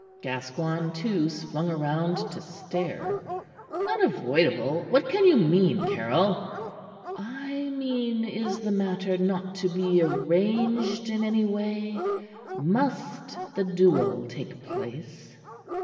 Gascoigne, too, swung round to stare. "Unavoidable? What can you mean, Caryll?" "I mean is the matter not to be arranged in any way? Must the duel take place?"